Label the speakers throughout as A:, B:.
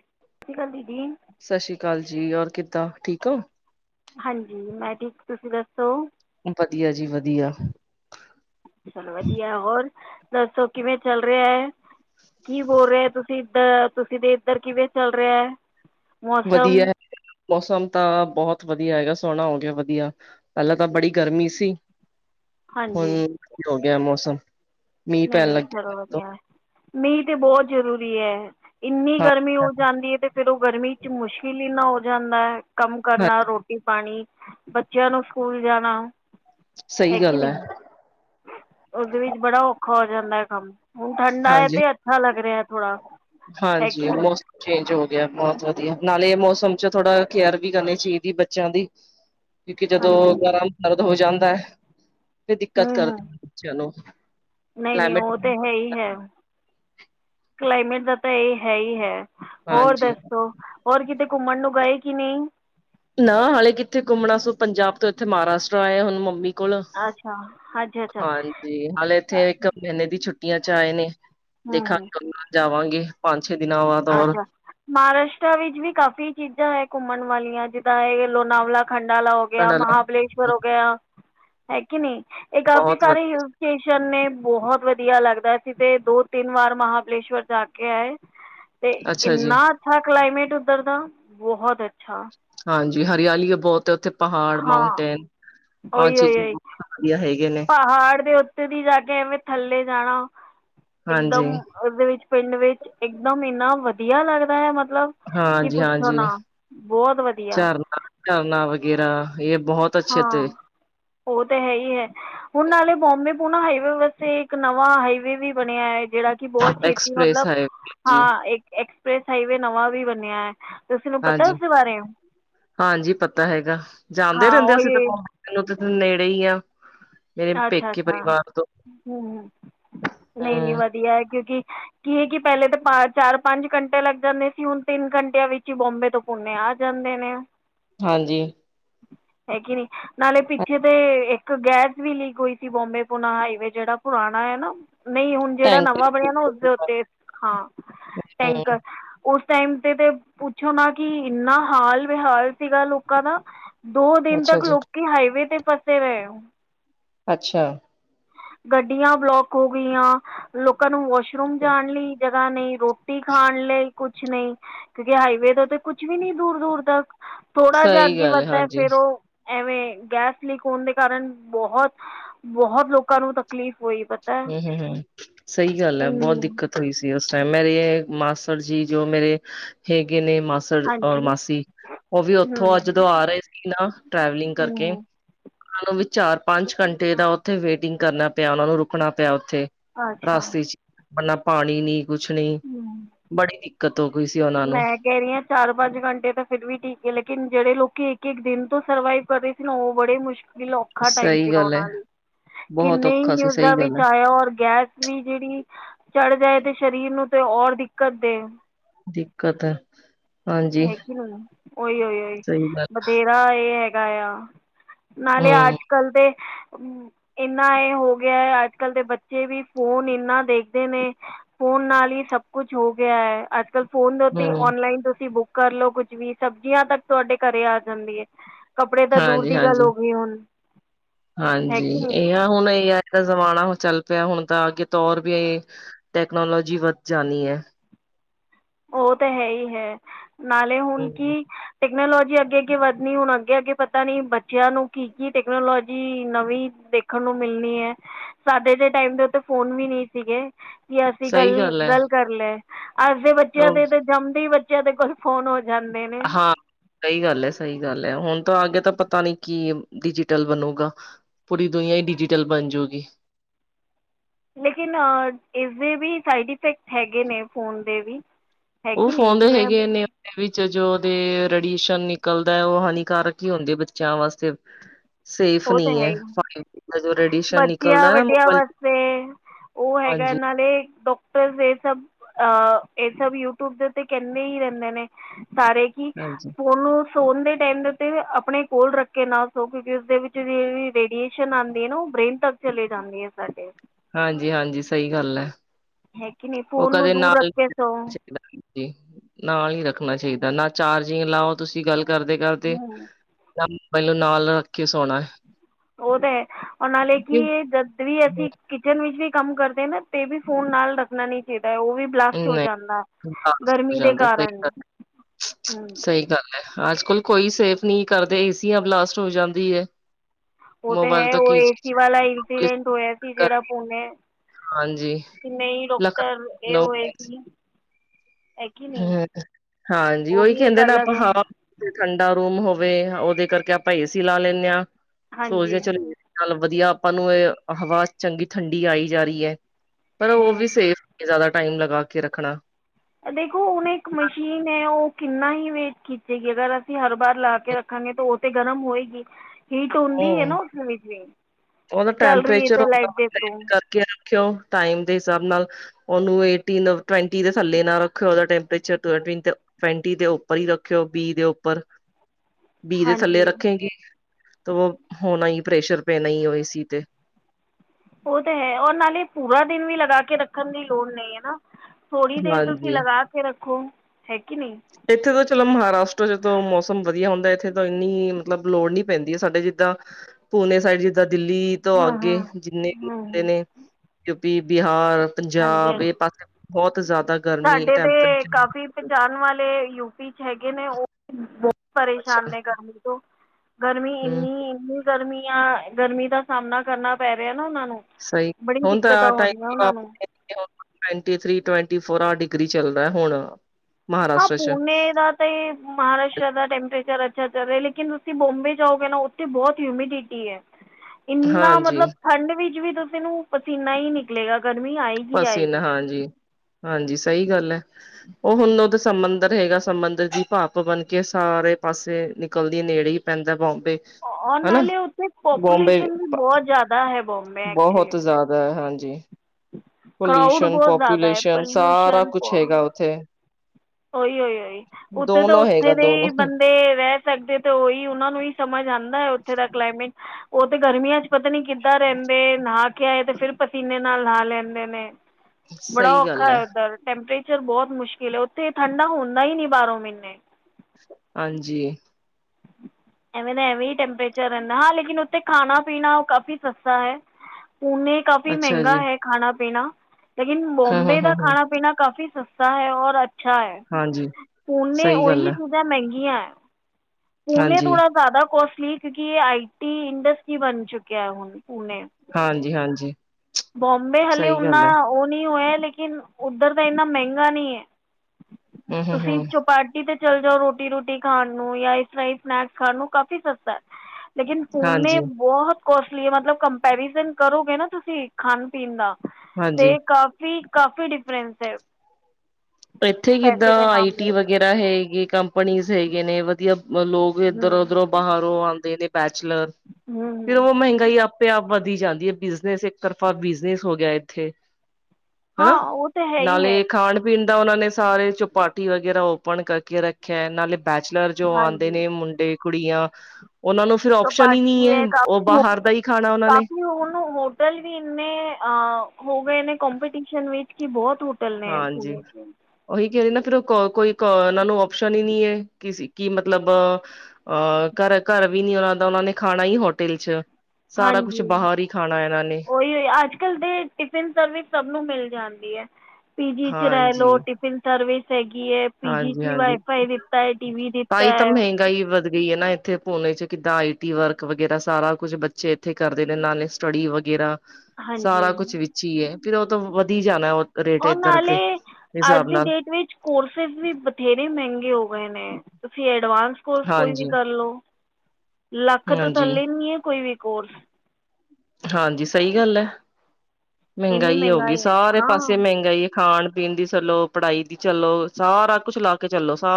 A: ਸਤਿ ਸ਼੍ਰੀ ਅਕਾਲ ਦੀਦੀ
B: ਸਤਿ ਸ੍ਰੀ ਅਕਾਲ ਜੀ ਹੋਰ ਕਿੱਦਾਂ ਠੀਕ ਹੋ
A: ਹਾਂਜੀ ਮੈਂ ਠੀਕ ਤੁਸੀਂ ਦੱਸੋ
B: ਵਧੀਆ ਜੀ ਵਧੀਆ
A: ਚਲੋ ਵਧੀਆ ਹੋਰ ਦੱਸੋ ਕਿਵੇਂ ਚੱਲ ਰਿਹਾ ਹੈ ਕੀ ਬੋਲ ਰਿਹਾ ਤੁਸੀਂ ਇੱਧਰ ਤੁਸੀਂ ਦੇ ਇੱਧਰ ਕਿਵੇਂ ਚੱਲ ਰਿਹਾ ਹੈ ਮੌਸਮ
B: ਵਧੀਆ ਹੈ ਮੌਸਮ ਤਾਂ ਬਹੁਤ ਵਧੀਆ ਹੈਗਾ ਸੋਹਣਾ ਹੋ ਗਿਆ ਵਧੀਆ ਪਹਿਲਾਂ ਤਾਂ ਬੜੀ ਗਰਮੀ ਸੀ ਹੁਣ
A: ਹਾਂਜੀ
B: ਕੀ ਹੋ ਗਿਆ ਮੌਸਮ ਮੀਂਹ
A: ਨਹੀਂ
B: ਪੈਣ
A: ਨਹੀਂ ਰੋ
B: ਲੱਗਿਆ
A: ਵਧੀਆ ਮੀਂਹ ਤੇ ਬਹੁਤ ਜ਼ਰੂਰੀ ਹੈ ਇੰਨੀ
B: ਹਾਂ
A: ਗਰਮੀ ਹੋ ਜਾਂਦੀ ਹੈ ਤੇ ਫੇਿਰ ਉਹ ਗਰਮੀ ਚ ਮੁਸ਼ਕਿਲ ਇੰਨਾ ਹੋ ਜਾਂਦਾ ਹੈ ਕੰਮ
B: ਹਾਂ
A: ਕਰਨਾ ਰੋਟੀ ਪਾਣੀ ਬੱਚਿਆਂ ਨੂੰ ਸਕੂਲ ਜਾਣਾ
B: ਸਹੀ
A: ਕਿ
B: ਗੱਲ ਹੈ
A: ਨਹੀਂ ਉਹਦੇ ਵਿੱਚ ਬੜਾ ਔਖਾ ਹੋ ਜਾਂਦਾ ਹੈ ਕੰਮ ਹੁਣ ਠੰਡਾ ਹੈ
B: ਹਾਂਜੀ
A: ਤੇ ਅੱਛਾ ਲੱਗ ਰਿਹਾ ਥੋੜਾ ਹੈ
B: ਹਾਂਜੀ
A: ਕੀ ਨਹੀਂ
B: ਮੌਸਮ ਚੇਂਜ ਹੋ ਗਿਆ ਬਹੁਤ ਨਾਲੇ ਇਹ ਮੌਸਮ ਚ ਥੋੜਾ ਕੇਅਰ ਵੀ ਕਰਨੀ ਚਾਹੀਦੀ ਬੱਚਿਆਂ ਦੀ ਕਿਉਕਿ ਜਦੋਂ
A: ਹਾਂਜੀ
B: ਗਰਮ ਦਰਦ ਹੋ ਜਾਂਦਾ ਹੈ ਤੇ ਦਿੱਕਤ
A: ਹਮ
B: ਕਰਦਾ
A: ਹਮ
B: ਹੈ ਬੱਚਿਆਂ ਨੂੰ
A: ਨਹੀਂ ਨਹੀਂ
B: ਕਲਾਈਮੇਟ
A: ਉਹ ਤਾਂ ਹੈ ਹੀ ਹੈ ਕਲਾਈਮੇਟ ਦਾ ਤਾਂ ਇਹ ਹੈ ਹੀ ਹੈ ਹੋਰ
B: ਹਾਂਜੀ
A: ਦੱਸੋ ਹੋਰ ਕਿਤੇ ਘੁੰਮਣ ਨੂੰ ਗਏ ਕਿ ਨਹੀਂ
B: ਨਾ ਹਾਲੇ ਕਿੱਥੇ ਘੁੰਮਣਾ ਸੋ ਪੰਜਾਬ ਤੋਂ ਇੱਥੇ ਮਹਾਰਾਸ਼ਟਰ ਆਏ, ਹੁਣ ਮੰਮੀ ਲ
A: ਅੱਛਾ ਅੱਛਾ ਅੱਛਾ
B: ਹਾਂਜੀ ਹਾਲੇ ਇੱਥੇ ਇੱਕ ਮਹੀਨੇ ਦੀ ਛੁੱਟੀ, ਛੁੱਟੀਆਂ ਚ ਆਏ ਨੇ
A: ਹਮ ਹਮ
B: ਦੇਖਾਂਗੇ ਜਾਵਾਂਗੇ ਪੰਜ, ਛੇ ਦਿਨਾਂ ਬਾਅਦ ਔਰ
A: ਅੱਛਾ, ਮਹਾਰਾਸ਼ਟਰਾ ਵਿੱਚ ਵੀ ਕਾਫ਼ੀ ਚੀਜ਼ਾਂ ਹੈ। ਘੁੰਮਣ ਵਾਲੀਆਂ ਜਿੱਦਾਂ ਹੈ, ਲੋਨਾਵਲਾ ਖੰਡਾਲਾ ਹੋ ਗਿਆ,
B: ਕਡਲਾ
A: ਮਹਾਬਲੇਸ਼ਵਰ ਹੋ ਗਿਆ। ਹੈ ਕਿ ਨੀ ਇਹ ਕਾਫ਼ੀ
B: ਬਹੁਤ
A: ਸਾਰੇ
B: ਵਧੀਆ
A: ਹਿਲ ਸਟੇਸ਼ਨ ਨੇ, ਬਹੁਤ ਵਧੀਆ ਲੱਗਦਾ ਸੀ, ਤੇ ਦੋ ਤਿੰਨ ਵਾਰ ਮਹਾਾਬਲੇਸ਼ਵਰ ਜਾ ਕੇ ਆਏ। ਤੇ
B: ਅੱਛਾ ਜੀ
A: ਇੰਨਾ ਅੱਛਾ ਕਲਾਈਮੇਟ ਉੱਧਰ ਦਾ ਬਹੁਤ ਅੱਛਾ।
B: ਜੀ ਹਰਿਆਲੀਏ ਬਹੁਤ ਹੈ ਉੱਥੇ, ਪਹਾੜ
A: ਹਾਂ
B: ਮਾਊਂਟੇਨ ਆ
A: ਉਹੀ ਉਹੀ
B: ਚੀਜ਼ਾਂ
A: ਉਹੀ
B: ਵਧੀਆ ਹੈਗੇ ਨੇ,
A: ਪਹਾੜ ਦੇ ਉੱਤੇ ਦੀ ਜਾਗੇ ਐਵੇਂ ਥੱਲੇ ਜਾਣਾ।
B: ਹਾਂਜੀ
A: ਇਕਦਮ ਉਹਦੇ ਵਿੱਚ ਪਿੰਡ ਵਿੱਚ ਇਕਦਮ ਇੰਨਾ ਵਧੀਆ ਲੱਗਦਾ ਹੈ ਮਤਲਬ, ਕਿ ਪੁੱਛੋ
B: ਹਾਂਜੀ-ਹਾਂਜੀ
A: ਨਾ ਬਹੁਤ ਵਧੀਆ
B: ਝਰਨਾ ਝਰਨਾ ਵਗੈਰਾ, ਇਹ ਬਹੁਤ ਅੱਛੇ
A: ਹਾਂ
B: ਤੇ,
A: ਉਹ ਤਾਂ ਹੈ ਹੀ ਹੈ, ਹੁਣ ਨਾਲੇ ਬੋਬੇ ਪੂਣਾ ਹਾਈ ਵਸੇ ਇੱਕ ਨਵਾਂ ਹਾਈਵੇ ਵੀ ਬਣਿਆ ਹੈ। ਜਿਹੜਾ ਕਿ ਬਹੁਤ ਛੇਤੀ
B: ਐਕਸਪ੍ਰੈਸ
A: ਮਤਲਬ
B: ਹੈ ਜੀ
A: ਹਾਂ ਇੱਕ ਐਕਸਪ੍ਰੈਸ ਹਾਈਵੇ ਨਵਾਂ ਵੀ ਬਣਿਆ ਹੈ। ਤੁਸੀਂ ਨੂੰ ਪਤਾ ਉਸ ਦੇ ਬਾਰੇ
B: ਹਾਂਜੀ-ਹਾਂਜੀ ਪਤਾ ਹੈਗਾ, ਜਾਂਦੇ
A: ਹਾਂ
B: ਰਹਿੰਦੇ ਅਸੀਂ
A: ਉਹੀ
B: ਤਾਂਨ ਨੇੜੇ ਹੀ ਆ। ਮੇਰੇ ਪੇਕੇ
A: ਅੱਛਾ-ਅੱਛਾ
B: ਪਰਿਵਾਰ ਤੋਂ
A: ਹੂੰ, ਨਹੀਂ ਨੀ
B: ਹੂੰ
A: ਵਧੀਆ ਕਿਉਂਕਿ ਕੀ ਇਹ ਕਿ ਪਹਿਲੇ ਤਾਂ ਚਾਰ-ਪੰਜ ਘੰਟੇ ਲੱਗ ਜਾਂਦੇ ਸੀ, ਹੁਣ ਤਿੰਨ ਘੰਟਿਆਂ ਵਿੱਚ ਹੀ ਬੋਂਬੇ ਤੋਂ ਪੁੰਨਿਆ। ਆ ਜਾਂਦੇ ਨੇ,
B: ਹਾਂਜੀ,
A: ਹੈਗੀ ਨੀ ਨਾਲੇ ਪਿੱਛੇ ਤੇ ਇੱਕ ਗੈਰ, ਵੀ ਲੀਕ ਹੋਈ ਸੀ, ਬੋਬੇ ਪੁੁਣਾ ਹਾਈਵੇ ਜਿਹੜਾ ਪੁਰਾਣਾ ਹੈ ਨਾ, ਨਹੀਂ ਹੁਣ ਜਿਹੜਾ
B: ਟੈਂਕਰ
A: ਨਵਾਂ ਬਣਿਆ ਨਾ ਉਸਦੇ ਉੱਤੇ ਹਾਂ
B: ਹੂੰ
A: ਟੈਂਕਰ ਉਸ ਟਾਈਮ ਤੇ ਤੇ ਪੁੱਛੋ ਨਾ ਕਿ, ਇੰਨਾ ਹਾਲ ਬੇਹਾਲ। ਸੀਗਾ ਲੋਕਾਂ ਦਾ ਦੋ ਦਿਨ
B: ਅੱਛਾ
A: ਤੱਕ
B: ਜੀ
A: ਲੋਕੀ ਹਾਈਵੇ ਤੇ ਫਸੇ ਰਹੇ।
B: ਅੱਛਾ,
A: ਗੱਡੀਆਂ ਬਲੋਕ ਹੋ ਗਈਆਂ, ਲੋਕਾਂ ਨੂੰ ਵਾਸ਼ਰੂਮ ਜਾਣ ਲਈ। ਨਹੀਂ ਰੋਟੀ ਖਾਣ ਲਈ ਕੁਛ ਨੀ, ਕਿਉਂਕਿ ਹਾਈਵੇ ਤੋਂ ਤੇ ਕੁਛ ਵੀ ਨਹੀਂ ਦੂਰ-ਦੂਰ ਤੱਕ। ਥੋੜਾ ਜਿਹਾ
B: ਸਹੀ
A: ਅੱਗੇ
B: ਗੱਲ
A: ਵੱਧਦਾ ਹੈ
B: ਹਾਂਜੀ
A: ਫੇਰ ਉਹ, ਐਵੇਂ ਗੈਸ ਲੀਕ ਹੋਣ ਦੇ ਕਾਰਨ ਬਹੁਤ-ਬਹੁਤ ਲੋਕਾਂ ਨੂੰ ਤਕਲੀਫ਼
B: ਹੂੰ-ਹੂੰ-ਹੂੰ, ਸਹੀ ਗੱਲ ਹੈ ਬਹੁਤ
A: ਇੰਨੀ
B: ਦਿੱਕਤ ਹੋਈ ਸੀ ਉਸ ਟਾਈਮ, ਮੇਰੇ ਮਾਸੜ ਜੀ ਜੋ ਮੇਰੇ ਹੈਗੇ, ਨੇ ਮਾਸੜ ਔਰ
A: ਹਾਂਜੀ
B: ਮਾਸੀ, ਉਹ ਵੀ ਉੱਥੋਂ
A: ਹੂੰ
B: ਅੱਜ ਜਦੋ ਆ ਰਹੇ ਸੀ, ਨਾ ਟਰੈਵਲਿੰਗ ਕਰਕੇ।
A: ਹੂੰ
B: ਉਹ ਨੂੰ ਵੀ ਚਾਰ ਪੰਜ ਘੰਟੇ ਦਾ ਉੱਥੇ ਵੇਟਿੰਗ ਕਰਨਾ ਪਿਆ, ਉਹਨਾਂ ਨੂੰ ਰੁਕਣਾ ਪਿਆ। ਇਥੇ
A: ਅੱਛਾ
B: ਰਸਤੇ ਚ ਹੀ ਬੰਨਾ ਪਾਣੀ ਨੀ ਕੁਛ ਨੀ,
A: ਹੂੰ
B: ਬੜੀ ਦਿੱਕਤ ਹੋ ਗਈ ਸੀ ਉਹਨਾਂ ਨੂੰ
A: ਮੈਂ ਕਹਿ ਰਹੀ ਹਾਂ ਚਾਰ ਪੰਜ ਘੰਟੇ ਤਾਂ ਫੇਰ ਵੀ ਠੀਕ ਹੈ, ਲੇਕਿਨ ਜਿਹੜੇ ਲੋਕੀ ਕਿ ਇੱਕ ਦਿਨ ਤੋਂ ਸਰਵਾਈਵ ਕਰ ਰਹੀ ਸੀ, ਨਾ ਉਹ ਬੜੇ ਮੁਸ਼ਕਿਲ ਔਖਾ ਟਾਈਮ
B: ਸਹੀ
A: ਸੀਗਾ
B: ਗੱਲ ਹੈ
A: ਉਹਨਾਂ ਲਈ,
B: ਬਹੁਤ
A: ਕਿੰਨੇ
B: ਔਖਾ
A: ਹੀ
B: ਸੀ ਸਹੀ
A: ਉਹਾਂ
B: ਗੱਲ
A: ਵਿੱਚ
B: ਹੈ
A: ਆਇਆ ਔਰ ਗੈਸ ਵੀ ਜਿਹੜੀ, ਚੜ੍ਹ ਜਾਏ ਤੇ ਸਰੀਰ ਨੂੰ ਤੇ ਔਰ ਦਿੱਕਤ ਦੇ,
B: ਦਿੱਕਤ ਹੈ। ਹਾਂਜੀ
A: ਹੈਗੀ ਉਹੀ-ਓਹੀ-ਓਹੀ
B: ਸਹੀ ਗੱਲ
A: ਵਥੇਰਾ ਇਹ ਹੈਗਾ ਆ। ਨਾਲੇ
B: ਹਮ
A: ਅੱਜ-ਕੱਲ ਦੇ, ਇੰਨਾ ਇਹ ਹੋ ਗਿਆ ਅੱਜ-ਕੱਲ ਦੇ ਬੱਚੇ ਵੀ ਫੋਨ ਇੰਨਾ ਦੇਖਦੇ ਨੇ, ਫੋਨ ਨਾਲ ਹੀ ਸਭ ਕੁਛ ਹੋ ਗਿਆ ਹੈ, ਅੱਜ-ਕੱਲ ਫੋਨ ਉੱਤੇ
B: ਹਮ
A: ਔਨਲਾਈਨ ਤੋਂ, ਤੁਸੀਂ ਬੁੱਕ ਕਰਲੋ, ਕੁੱਝ ਵੀ ਸਬਜ਼ੀਆਂ ਤੱਕ ਤੁਹਾਡੇ ਘਰੇ ਆ ਜਾਂਦੀ ਹੈ। ਕੱਪੜੇ ਤਾਂ ਦੂਰ
B: ਹਾਂਜੀ
A: ਦੀ ਗੱਲ
B: ਹਾਂਜੀ
A: ਹੋ ਗਈ ਹੁਣ, ਹੈ
B: ਹਾਂਜੀ
A: ਕਿ ਨਹੀਂ
B: ਇਹ ਹੁਣ ਇਹ ਆ, ਜ਼ਮਾਨਾ ਚੱਲ ਪਿਆ ਹੁਣ ਤਾਂ ਅੱਗੇ ਤਾਂ ਹੋਰ ਵੀ ਟੈਕਨੋਲੋਜੀ ਵ ਜਾਣੀ ਹੈ,
A: ਉਹ ਤਾਂ ਹੈ ਹੀ ਹੈ ਨਾਲੇ ਹੁਣ
B: ਹਮ
A: ਕੀ, ਟੈਕਨੋਲੋਜੀ ਅੱਗੇ-ਅੱਗੇ ਵੱਧਣੀ ਹੁਣ ਅੱਗੇ ਅੱਗੇ ਪਤਾ ਨੀ ਬੱਚਿਆਂ ਨੂੰ ਕੀ-ਕੀ ਟੈਕਨੋਲੋਜੀ ਨਵੀਂ, ਦੇਖਣ ਨੂੰ ਮਿਲਣੀ ਹੈ ਸਾਦੇ ਦੇ ਟਾਈਮ ਦੇ ਉੱਤੇ ਫੋਨ ਵੀ ਨਹੀਂ ਸੀਗੇ। ਕਿ ਅਸੀਂ ਗੱਲ
B: ਸਹੀ ਹੈ
A: ਗੱਲ ਕਰ ਲਏ ਅਜ ਦੇ ਬੱਚਿਆਂ
B: ਉਹ
A: ਦੇ ਤੇ ਜੰਮਦੇ ਬੱਚਿਆਂ ਦੇ ਕੋਲ ਫੋਨ ਹੋ, ਜਾਂਦੇ ਨੇ
B: ਹਾਂ ਸਹੀ ਗੱਲ ਹੈ। ਸਹੀ ਗੱਲ ਹੈ ਹੁਣ ਤਾਂ ਅੱਗੇ ਤਾਂ ਪਤਾ ਨੀ ਕੀ ਡਿਜੀਟਲ ਬਣੂਗਾ ਪੂਰੀ ਦੁਨੀਆਂ ਹੀ ਡਿਜੀਟਲ ਬ ਬਣਜੁਗੀ।
A: [unintelligible] ਲੇਕਿਨ ਇਸਦੇ ਵੀ ਸਾਈਡ ਇਫੈਕਟ ਹੈਗੇ ਨੇ ਫੋਨ ਦੇ ਵੀ, ਹੈ
B: ਉਹ
A: ਕਿ ਨਹੀਂ
B: ਫੋਨ ਦੇ
A: ਜਿਵੇਂ
B: ਹੈਗੇ ਨੇੇ ਆਪਨੇ ਵਿੱਚ ਜੋ, ਦੇ ਰਡੀਏਸ਼ਨ ਨਿਕਲਦਾ ਹੈ ਉਹ ਹਾਨੀਕਾਰਕ ਹੀ ਹੁੰਦੇ ਬੱਚਿਆਂ ਵਾਸਤੇ, ਸੇਫ
A: ਉਹ ਤਾਂ
B: ਨਹੀਂ ਹੈ
A: ਹੀ
B: ਜੋ ਰੈਡੀਐਸਨ
A: ਬੱਚਿਆਂ
B: ਨਿਕਲਦਾ ਨਾ
A: ਵੱਡਿਆਂ
B: ਮੋਬਲ
A: ਵਾਸਤੇ ਉਹ ਹੈਗਾ ਇਹ ਨਾਲੇ ਡਾ ਸਭ ਇਹ ਸਭ ਯੂਟਿਊਬ ਦੇ ਉਤੇ ਕਹਿੰਦੇ ਹੀ ਰਹਿੰਦੇ ਨੇ, ਸਾਰੇ ਕਿ
B: ਹਾਂਜੀ
A: ਫੋਨੂੰ ਸੋਣ ਦੇ ਟਾਈਮ ਦੇ ਉੱਤੇ ਆਪਣੇ ਕੋਲ ਰੱਖੇ ਨਾ ਸੋ ਕਿਉਂਕਿ ਉਸਦੇ ਵਿੱਚ, ਰੇਡੀਏਸ਼ਨ ਆਦੀ ਹੈ ਨਾ ਉਹ ਬ੍ਰੇਨ ਤੱਕ ਚਲੇ ਜਾਂਦੀ ਆ ਸਾਡੇ,
B: ਹਾਂਜੀ ਹਾਂਜੀ ਸਹੀ ਗੱਲ ਹੈ।
A: ਹੈ ਕਿ ਨਹੀਂ
B: ਉਹ
A: ਫੋਨ ਨੂੰ
B: ਕਦੇ
A: ਦੂਰ ਰੱਖ
B: ਨਾਲ ਹੀ,
A: ਕੇ ਸੌ
B: ਜ ਨਾਲ ਹੀ ਰੱਖਣਾ ਚਾਹੀਦਾ ਨਾ ਚਾਰਜਿੰਗ ਲਾਓ ਤੁਸੀਂ ਗੱਲ, ਕਰਦੇ ਕਰਦੇ
A: ਹੂੰ
B: ਮੈਨੂੰ ਨਾਲ ਰੱਖ, ਕੇ ਸੋਣਾ ਹੈ।
A: ਉਹ ਤਾਂ ਹੈ ਉਹਰ ਨਾਲੇ ਕੀ ਜਦ ਵੀ ਅਸੀਂ ਕਿਚਨ ਵਿੱਚ ਵੀ, ਕੰਮ ਕਰਦੇ ਨਾ ਤੇ ਵੀ ਫੋਨ ਨਾਲ ਰੱਖਣਾ ਨਹੀਂ ਚਾਹੀਦਾ ਉਹ ਵੀ ਬਲਾਸਟ ਹੋ
B: ਨਹੀਂ
A: ਜਾਂਦਾ
B: ਬਲਾਸਟ ਹੋ
A: ਗਰਮੀ ਦੇ
B: ਜਾਂਦਾ ਸਹੀ
A: ਕਾਰਨ
B: ਗੱਲ
A: ਹੂੰ
B: ਸਹੀ ਗੱਲ ਹੈ ਆਜ ਬਿਲਕੁਲ ਕੋਈ ਸੇਫ ਨਹੀਂੀ ਕਰਦੇ ਏਸੀਆਂ ਬਲਾਸਟ ਹੋ ਜਾਂਦੀ ਹੈ
A: ਉਹ ਤੇ
B: ਮੋਬਾਇਲ
A: ਹੈ
B: ਤੋਂ
A: ਉਹ
B: ਕੀ ਚੀਜ਼
A: ਏਸੀ ਵਾਲਾ ਇੰਸੀਡੈਂਟ ਹੋਇਆ ਸੀ ਜਿਹੜਾ ਪੂਣੇੇ
B: ਹਾਂਜੀ
A: ਕਿ ਨਹੀਂ ਡਾਕਟਰ ਇਹ
B: ਲਖਨਊ
A: ਹੋਏ ਕਿ ਹੈ ਨਹੀਂ
B: ਹਮ ਹਾਂਜੀ
A: ਉਹ
B: ਉਹੀ
A: ਵੀ ਇੱਕ
B: ਕਹਿੰਦੇ ਨਾ
A: ਅਲੱਗ
B: ਆਪਾਂ
A: ਹੈ
B: ਹ ਠੰਡਾ ਰੂਮ ਹੋ ਉਹਦੇ ਕਰਕੇ ਆਪਾਂ ਏਸੀ ਲਾ ਲੈਂਦੇ ਹਾਂ ਸੋਚਦੇ ਹਾਂ
A: ਹਾਂਜੀ
B: ਚਲੋ ਵਧੀਆ ਆਪਾਂ ਨੂੰ ਇਹ ਹਵਾ ਚੰਗੀ ਠੰਡੀ ਆਈ ਜਾ ਰਹੀ ਹੈ ਪਰ ਉਹ ਵੀ
A: ਹੂੰ
B: ਸੇਫ ਜ਼ਿਆਦਾ ਟਾਈਮ ਲਗਾ ਕੇ ਰੱਖਣਾ
A: ਦੇਖੋ ਹੁਣ ਇੱਕ ਮਸ਼ੀਨ ਹੈ ਉਹ ਇੰਨਾ ਹੀ ਵੇ ਖਿੱਚੇਗੀ ਅਗਰ ਅਸੀਂ ਹਰ ਵਾਰ ਲਾ ਕੇ ਰੱਖਾਂਗੇ ਤਾਂ ਉਹ ਤੇੇ ਗਰਮ ਹੋਏਗੀ ਹੀਟ ਹੁੰਦੀ ਹੈ ਨਾ
B: ਹਮ
A: ਉਸਠਣਾਵੇ
B: ਉਹਦਾ ਟੈਂਪਰੇਚਰ ਕਰਕੇ ਰੱਖਿਓ ਮ ਦੇ ਹਾਬ ਨਾਲਨੂੰਏਵਟੀ ਦੇ ਥੱਲੇ ਨਾਲ ਰੱਖਿ ਟਚ ਫੈਂਟੀ ਦੇ ਉੱਪਰ ਹੀ ਰੱਖਿਓ ਬੀ ਦੇ ਉੱਪਰ
A: ਹਾਂ
B: ਬੀ ਦੇ ਥੱਲੇ ਰੱਖੇਗੀ ਤਾਂ ਉਹ ਹੋਣਾ ਹੀ ਪ੍ਰੇਸ਼ਰ ਪੈਂ ਨਹੀਂ ਹੋਏ ਸੀ ਤੇ
A: ਉਹ ਤਾਂ ਹੈ ਔਰ ਨਾਲੇ ਪੂਰਾ ਦਿਨ ਵੀ ਲਗਾ ਕੇ ਰੱਖਣ ਦੀ ਲੋੜ ਨਹੀਂ ਹੈਾ ਥੋੜ੍ਹੀ ਦੇਰ ਤੁਸੀਂ
B: ਹਾਂਜੀ,
A: ਲਗਾ ਕੇ ਰੱਖੋ ਹੈ ਕਿ ਨਹੀਂ
B: ਇੱਥੇ ਤਾਂ ਚਲੋ ਮਹਾਰਾਸ਼ਟਰ ਜਦੋਂ ਮੌਸਮ ਵਧੀਆ ਹੁੰਦਾ ਇੱਥੇ ਤਾਂ ਇੰਨੀ ਮਤਲਬ ਲੋੜ ਨੀ ਪੈਂਦੀ ਆ ਸਾਡੇ ਜਿੱਦਾਂ ਪੂਨੇ ਸਾਈਡ ਜਿੱਦਾਂ ਦਿੱਲੀ ਤੋਂ
A: ਹਾਂ
B: ਅਗੇ
A: ਹਾਂ
B: ਜਿੰਨੇ ਵੀ
A: ਹਾਂ
B: ਬੰਦੇ
A: ਹਾਂ
B: ਨੇ ਯੂਪੀ ਬਿਹਾਰ
A: ਹਾਂਜੀ
B: ਪੰਜਾਬ ਇਹ
A: ਹਾਂਜੀ
B: ਪਾਸੇ ਬਹੁਤ ਜ਼ਿਆਦਾ ਗਰਮੀ
A: ਸਾਡੇ ਤਾਂ
B: ਟੈਂਪਰੇਚਰ
A: ਕਾਫੀ ਪਹਿਚਾਣ ਵਾਲੇ ਯੂਪੀ ਚ ਹੈਗੇ ਨੇ ਉਹ ਬਹੁਤ ਪਰੇਸ਼ਾਨ
B: ਅੱਛਾ,
A: ਨੇ ਗਰਮੀ ਤੋਂ ਗਰਮੀ
B: ਹੂੰ
A: ਇੰਨੀ ਇੰਨੀ ਗਰਮੀ ਆ ਗਰਮੀ ਦਾ ਸਾਹਮਣਾ ਕਰਨਾ ਪੈ ਰਿਹਾ ਉਹਨਾਂ ਨੂੰ ਬੜੀ ਦਿੱਕਤਾਂ ਹੋਦੀਆਂ ਉਹਨਾਂ ਨੂੰ
B: ਟਵਟੀ ਥ ਟਵੈਂਟੀ ਫੋਰ ਆਹ ਡਿਗਰੀ ਚੱਲਦਾ ਹੁਣ
A: ਹਾਂ ਪ
B: ਮਹਾਰਾਸ਼ਟਰ 'ਚ
A: ਪੁਣੇ ਦਾ ਤਾਂਈ ਮਹਾਰਾਸ਼ ਦਾ ਟਪਰੇਚਰ ਅੱਛਾ ਚੱਲਹਾ ਲੇਕਿਨ ਤੁਸੀਂ ਬਮਬੇ ਜਾਓਗੇ ਨਾ ਉੱਥੇ ਬਹੁਤ ਹਿਮਿਡਿਟੀ ਹੈ ਇੰਨਾ
B: ਹਾਂਜੀ,
A: ਮਤਲਬ ਠੰਡ ਵਿੱਚ ਵੀ ਤੁਸੀੇ ਪਸੀਨਾ ਹੀ ਨਿਕਲੇਗਾ ਗਰਮੀ ਆਏਗੀ
B: ਪਾਸੀ ਨਾ
A: ਆਏਗੀ
B: ਹਾਂਜੀ ਹਾਂਜੀ ਸਹੀ ਗੱਲ ਹੈ ਉਹ ਹੁਣ ਉਦ ਸਮੁੰਦਰ ਹੈਗਾ ਸਮੁੰਦਰ ਦੀ ਭਾਪ ਬਣ ਕੇ ਸਾਰੇ ਪਾਸੇ ਨਿਕਲਦੀ ਨੇੜੇ ਹੀ ਪੈਂਦਾ ਬੋਂਬੇ
A: ਔਰ
B: ਹਨਾ
A: ਨਾਲੇ ਉੱਥੇ
B: ਬੋਬੇ
A: ਪੋਪੂਲੇਸ਼ਨ ਵੀ ਬਹੁਤ ਜ਼ਿਆਦਾ ਹੈ ਬੋਂਬੇ ਐਕਚੁਲੀ
B: ਬਹੁਤ ਜ਼ਿਆਦਾ ਹਾਂਜੀ
A: ਕਰਾਊਡ
B: ਪਲਸ਼ਨ
A: ਬਹੁਤ ਜ਼ਿਆਦਾ ਹੈ
B: ਪਪੂਲੇਸ਼ਨ ਸਾਰਾ ਕੁਛ ਹੈਗਾ ਉੱਥੇ
A: ਉਹੀ ਉ ਉਹੀ ਉੱਥੇ ਤਾਂ
B: ਦੋਨੋ
A: ਉੱਥੇ
B: ਹੈਗਾ
A: ਦੇ ਹੀ
B: ਦੋਨੋ
A: ਬੰਦੇ ਰਹਿ ਸਕਦੇ ਤੇ ਉਹੀ ਉਹਨਾਂ ਨੂੰ ਹੀ ਸਮਝ ਜਾਂਦਾ ਹੈ ਉੱਥੇ ਦਾ ਕਲਾਈਮੇਟ ਉਹ ਤੇ ਗਰਮੀਆਂ ਚ ਪਤਾ ਨੀ ਕਿੱਦਾਂ ਰਹਿੰਦੇ ਨਾ ਖਿਆਏ ਤੇ ਫੇਿਰ ਪਸੀਨੇ ਨਾਲ ਲਾ ਲੈਂਦੇ ਨੇ ਬੜਾ
B: ਸਹੀ
A: ਔਖਾ
B: ਗੱਲ
A: ਹੈ ਉੱਧਰ ਟੈਂਪਰੇਚ ਰ ਬਹੁਤ ਮੁਸ਼ਕਿਲ ਹੈ ਉੱਥੇ ਠੰਡਾ ਹੁੰਦਾ ਹੀ ਨੀ ਬਾਰੋਂ ਮਹੀਨੇ
B: ਹਾਂਜੀ
A: ਐਵੇਂ ਦਾ ਐਵੇਂ ਹੀ ਟੈਂਪਰੇਚਰ ਰਹਿੰਦਾ ਹਾਂ ਲੇਕਿਨ ਉੱਥੇ ਖਾਣਾ ਪੀਣਾ ਕਾਫੀ ਸਸਤਾ ਹੈ ਪੂਨੇ ਕਾਫ਼ੀ
B: ਅੱਛਾ
A: ਮਹਿੰਗਾ
B: ਜੀ
A: ਹੈ ਖਾਣਾ ਪੀਣਾ
B: ਹਾਂ ਹਾਂ
A: ਲੇਕਿਨ ਦਾ
B: ਹਾਂ ਹਾਂ
A: ਖਾਣਾ ਪੀਣਾ ਕਾਫ਼ੀ ਸਸਤਾ ਹੈ ਔਰ ਅੱਛਾ ਹੈ
B: ਹਾਂਜੀ
A: ਪੂਨੇ
B: ਸਹੀ ਗੱਲ
A: ਉਹੀ
B: ਹੈ
A: ਚੀਜ਼ਾਂ ਮਹਿੰਗੀਆਂ ਪੂਣੇੇ
B: ਹਾਂਜੀ
A: ਥੋੜਾ ਜ਼ਿਆਦਾ ਕੋਸਟਲੀ ਕਿਉਂਕਿ ਇਹ ਆਈਟੀ ਇੰਡਸਟਰੀ ਬਣ ਚੁੱਕਿਆ ਹੁਣ ਪੂਣੇੇ
B: ਹਾਂਜੀ ਹਾਂਜੀ
A: ਬੋਬੇ ਹਲੇੇ
B: ਸਹੀ
A: ਓਨਾ
B: ਗੱਲ ਹੈ
A: ਉਹ ਨਹੀਂ ਹੋਇਆ ਲੇਕਿਨ ਉੱਧਰ ਤਾਂ ਇੰਨਾ ਮਹਿੰਗਾ ਨਹੀਂ ਹੈ
B: ਹਮ ਹਮ
A: ਤੁਸੀਂ
B: ਹਮ
A: ਚੌਪਾਟੀ ਤੇ ਚਲ ਜਾਓ ਰੋਟੀ ਰੋਟੀ ਖਾਣ ਨੂੰ ਜਾਂ ਇਸ ਤਰ੍ਹਾਂ ਹੀ ਸਨੈਕਸ ਖਾਣ ਨੂੰ ਕਾਫ਼ੀ ਸਸਤਾ ਹੈ। ਲੇਕਿਨ ਫੋਨੇ
B: ਹਾਂਜੀ
A: ਬਹੁਤ ਕੋਸਟਲੀ ਹੈ ਮਤਲਬ ਕੰਪੈਰੀਜ਼ਨ ਕਰੋਗੇ ਨਾ ਤੁਸੀਂ ਖਾਣ ਪੀਣ ਦਾ,
B: ਹਾਂਜੀ
A: ਤੇ ਕਾਫੀ-ਕਾਫੀ ਡਿਫਰੈਂਸ ਹੈ।
B: ਇੱਥੇ ਕਿੱਦਾਂ
A: ਪੈਸੇ ਦੇ
B: ਆਈ ਟੀ
A: ਮਾਮਲੇ
B: ਵਗੈਰਾ ਹੈਗੀ ਕੰਪਨੀ ਹੈਗੇ ਨੇ ਵਧੀਆ। ਲੋਕ
A: 'ਚ
B: ਇੱਧਰ ਉਧਰੋਂ ਬਾਹਰੋਂ ਆਦੇ ਨੇ, ਫਿਰ ਉਹ ਮਹਿੰਗਾਈ ਆਪੇ ਆਪ ਵਧੀ ਜਾਂਦੀ ਹੈ ਬ ਇੱਕ ਤਰਫਾ ਬਿਜਨਸ ਹੋ ਗਿਆ ਇੱਥੇ
A: ਹਾਂ
B: ਹਨਾ
A: ਉਹ ਤਾਂ ਹੈ ਹੀ ਹੈ
B: ਨਾਲੇ ਖਾਣ ਪੀਣ, ਦਾ ਉਹਨਾਂ ਨੇ ਸਾਰੇ ਚਪਾਟੀ ਵਗੈਰਾ ਓਪਨ ਕਰਕੇ ਰੱਖਿਆ ਹੈ ਨਾਲੇ ਬੈਚਲਰ ਜੋ ਆਦੇ
A: ਹਾਂਜੀ
B: ਨੇ ਮੁੰਡੇ, ਕੁੜੀਆਂ, ਉਹਨਾਂ ਨੂੰ ਫਿਰ ਓਪਸ਼ਨ ਹੀ ਨਹੀਂ
A: ਪਾਰਟੀ ਹੈ
B: ਉਹ
A: ਕਾਫੀ,
B: ਬਾਹਰ ਦਾ ਹੀ ਖਾਣਾ ਉਹਨਾਂ ਨੇ
A: ਤਾਂਕੀ ਹੁਣ ਹੋਟਲ ਵੀ ਇੰਨੇ ਅ ਹੋ ਗਏ ਨੇ, ਕਪੀਟੀਸ਼ਨ ਵਿੱਚ ਕਿ ਬਹੁਤ, ਹੋਟਲ ਨੇ
B: ਹਾਂਜੀ
A: ਪੂਨੇ 'ਚ
B: ਉਹੀ ਕਹਦੇ ਨਾ ਫਿਰ ਉਹ ਕੋਈ ਇਹਨਾਂ ਨੂੰ ਓਸ਼ਨ ਹੀ ਨੀ ਹੈ ਕੀ ਸੀ। ਕਿ ਮਤਲਬ ਅਹ ਘਰ ਘਰ ਵੀ ਨੀ ਉਹਨਾਂ ਦਾ ਉਹਨਾਂ ਨੇ ਖਾਣਾ ਹੀ ਹੋਟਲ ਚ, ਸਾਰਾ ਕੁਛ
A: ਹਾਂਜੀ
B: ਬਾਹਰ ਹੀ ਖਾਣਾ, ਇਹਨਾਂ ਨੇ
A: ਉਹੀ ਅੱਜ ਕਲ ਦੇ ਟਿਫਿਨ ਸਰਵਿਸ ਸਭ ਨੂੰ ਮਿਲ ਜਾਂਦੀ ਹੈ। ਪੀਜੀ ਚ ਰਹਿਲੋ
B: ਹਾਂਜੀ
A: ਟਿਫਿਨ ਸਰਵਿਸ। ਹੈਗੀ ਹੈ ਪੀਜੀ
B: ਹਾਂਜੀ
A: ਸੀ
B: ਹਾਂਜੀ
A: ਵਾਈਫਾਈ ਦਿਖਤਾ ਹੈ ਟੀ ਵੀ ਦਿਖਤਾ ਹੈ।
B: ਗਈਏ ਨਾ ਇੱਥੇ ਪੂਨੇ ਚ ਕਿੱਦਾਂ ਆਈ ਟੀ ਵਰਕ ਵਗੈਰਾ ਸਾਰਾ ਕੁਝ ਬੱਚੇ ਇੱਥੇ ਕਰਦੇ ਨੇ ਨਾਲ ਨੇ ਸਟੱਡੀ ਵਗੈਰਾ।
A: ਹਾਂਜੀ
B: ਸਾਰਾ ਕੁਛ ਵਿੱਚ ਹੀ ਹੈ ਫੇਰ ਉਹ ਤਾਂ ਵਧੀ ਜਾਣਾ। ਰੇਟ
A: ਉਹਰ
B: ਇੱਧਰ ਦੇ
A: ਨਾਲੇ ਅੱਜ
B: ਹਿਸਾਬ
A: ਦੀ
B: ਨਾਲ
A: ਡੇਟ ਵਿਚ ਕੋਰਸਿਸ ਵੀ। ਬਥੇਰੇ ਮਹਿੰਗੇ ਹੋ ਗਏ ਨੇ ਤੁਸੀਂ ਐਡਵਾਂਸ ਕੋਰਸ ਕੋਈ ਵੀ
B: ਹਾਂਜੀ
A: ਕਰਲੋ। ਲੱਖ ਤੋਂ
B: ਹਾਂਜੀ
A: ਥੱਲੇ ਨੀ ਹੈ ਕੋਈ ਵੀ ਕੋਰਸ,
B: ਹਾਂਜੀ ਸਹੀ ਗੱਲ ਹੈ,
A: ਇੰਨੀ
B: ਮਹਿੰਗਾਈ ਹੋ ਗਈ
A: ਆ
B: ਸਾਰੇ
A: ਹਾਂ
B: ਪਾਸੇ ਮਹਿੰਗਾਈ। ਖਾਣ ਪੀਣ ਦੀ ਚੱਲੋ ਪੜ੍ਹਾਈ ਦੀ ਚੱਲੋ ਸਾਰਾ ਕੁਛ ਲੱਗ।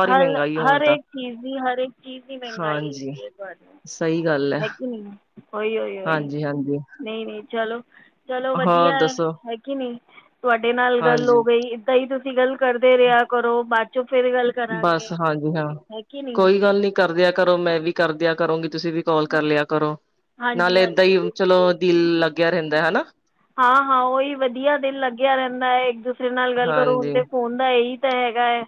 A: ਹਰ-ਹਰ ਇੱਕ ਚੀਜ਼ ਦੀ ਹਰ ਇੱਕ ਚੀਜ਼ ਦੀ ਮਹਿੰਗਾਈ
B: ਹਾਂਜੀ
A: ਹੋਗੀ ਹੈ ਤੁਹਾਡ
B: ਸਹੀ ਗੱਲ ਹੈ
A: ਹੈਗੀ ਨਹੀਂ ਹੀ ਈ
B: ਹਾਂਜੀ ਹਾਂਜੀ
A: ਨਹੀਂ-ਨਹੀਂ ਚਲੋ। ਚਲੋ
B: ਹੋਰ
A: ਵਧੀਆ ਹੈ
B: ਦੱਸੋ
A: ਹੈਗੀ ਨੀ ਤੁਹਾਡੇ ਨਾਲ ਗੱਲ ਹੋ
B: ਹਾਂਜੀ
A: ਗਈ ਏਦਾਂ ਹੀ ਤੁ ਗੱਲ ਕਰਦੇ ਰਿਹਾ ਕਰੋ ਬਾਅਦ ਚੋਂ ਫੇਰ
B: ਬਸ ਹਾਂਜੀ ਹਾਂ ਕੋਈ ਗੱਲ ਨੀ ਕਰਦਿਆਂ ਕਰੋ ਮੈਂ ਵੀ, ਕਰਦਿਆ ਕਰੋਗੀ ਤੁਸੀਂ ਵੀ ਕਾਲ ਕਰ ਲਿਆ ਕਰੋ
A: ਹਾਂਜੀ
B: ਨਾਲੇ ਏਦਾਂ
A: ਹਾਂਜੀ
B: ਹੀ ਚਲੋ ਦਿਲ ਲੱਗ। ਆ ਰਹਿੰਦਾ ਹਨਾ।
A: ਹਾਂ-ਹਾਂ ਉਹੀ ਵਧੀਆ ਦਿਨ ਲੱਗਿਆ ਰਹਿੰਦਾ ਹੈ ਇੱਕ ਦੂਸਰੇ ਨਾਲ ਗੱਲ ਕਰੋ
B: ਹਾਂਜੀ
A: ਹੁਣਦੇ ਫੋਨ ਦਾ ਇਹੀ। ਤਾਂ ਹੈਗਾ ਹੈ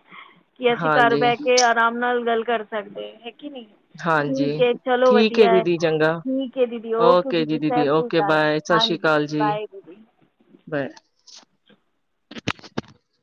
A: ਕਿ ਅਸੀਂ ਘਰ
B: ਹਾਂਜੀ
A: ਬਹਿ ਕੇ ਆਰਾਮ ਨਾਲ ਗੱਲ ਕਰ ਸਕਦੇ ਹੈਗੀ ਨੀ।
B: ਹਾਂਜੀ ਠੀਕ ਦੀਦੀ ਚੰਗਾ
A: ਠੀਕ ਹੈ ਦੀਦੀ
B: ਓਕੇ ਜੀ
A: ਸਤਿ
B: ਦੀਦੀ
A: ਸ਼੍ਰੀ
B: ਓਕੇ
A: ਅਕਾਲ
B: ਬਾਏ ਸਤਿ ਸ਼੍ਰੀ
A: ਹਾਂਜੀ
B: ਅਕਾਲ ਜੀ। ਜੀ
A: ਬਾਏ ਦੀਦੀ
B: ਬ